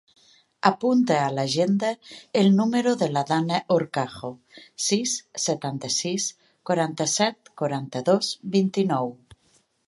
Apunta a l'agenda el número de la Dana Horcajo: sis, setanta-sis, quaranta-set, quaranta-dos, vint-i-nou.